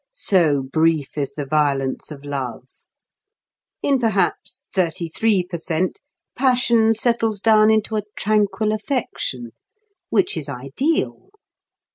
So brief is the violence of love! In perhaps thirty three per cent. passion settles down into a tranquil affection which is ideal.